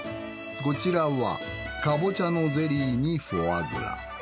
こちらはかぼちゃのゼリーにフォアグラ。